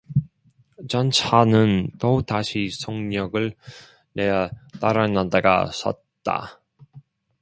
전차는 또다시 속력을 내어 달아나다가 섰다.